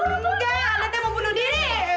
enggak alatnya mau bunuh diri